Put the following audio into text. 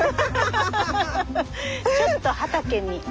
ちょっと畑に。